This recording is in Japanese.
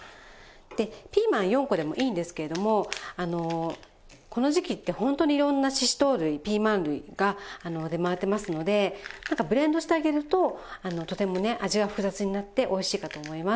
でピーマン４個でもいいんですけれどもこの時期ってホントにいろんなシシトウ類ピーマン類が出回ってますのでなんかブレンドしてあげるととてもね味が複雑になっておいしいかと思います。